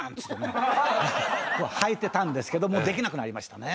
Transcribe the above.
はいてたんですけどもうできなくなりましたね。